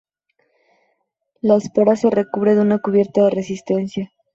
La espora se recubre de una cubierta de resistencia.